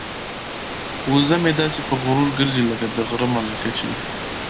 وزه مې داسې په غرور ګرځي لکه د غره ملکه چې وي.